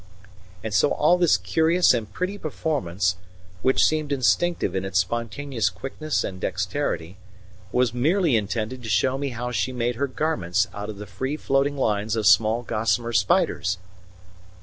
And so all this curious and pretty performance, which seemed instinctive in its spontaneous quickness and dexterity, was merely intended to show me how she made her garments out of the fine floating lines of small gossamer spiders!